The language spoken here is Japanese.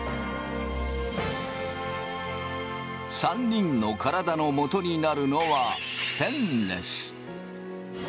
３人の体のもとになるのはステンレス。